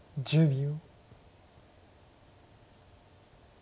１０秒。